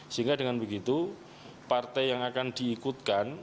sehingga dengan begitu partai yang akan diikutkan